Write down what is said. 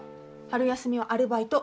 春休みはアルバイト。